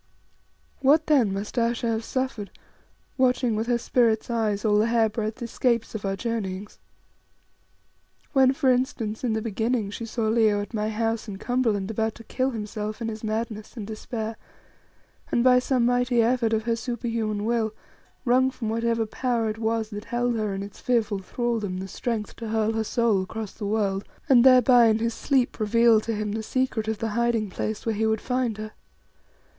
What then must Ayesha have suffered, watching with her spirit's eyes all the hair breadth escapes of our journeyings? When, for instance, in the beginning she saw Leo at my house in Cumberland about to kill himself in his madness and despair, and by some mighty effort of her superhuman will, wrung from whatever Power it was that held her in its fearful thraldom, the strength to hurl her soul across the world and thereby in his sleep reveal to him the secret of the hiding place where he would find her.